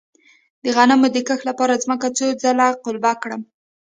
د غنمو د کښت لپاره ځمکه څو ځله قلبه کړم؟